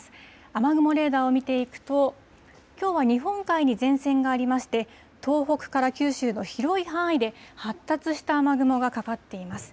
雨雲レーダーを見ていくと、きょうは日本海に前線がありまして、東北から九州の広い範囲で、発達した雨雲がかかっています。